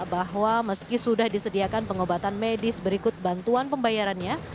bahwa meski sudah disediakan pengobatan medis berikut bantuan pembayarannya